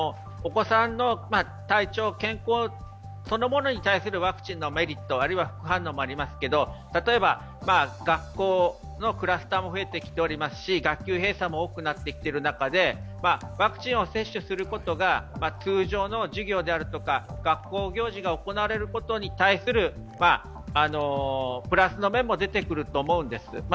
お子さんの健康そのもの対するワクチンのメリット、あるいは副反応もありますけれども、例えば学校のクラスターも増えてきておりますし学級閉鎖も多くなってきている中で、ワクチンを接種することが通常の授業であるとか、学校行事が行われることに対するプラス面も出てくると思うんです。